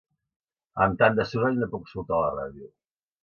Amb tant de soroll no puc escoltar la ràdio.